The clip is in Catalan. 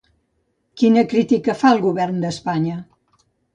Quina crítica fa al govern d'Espanya?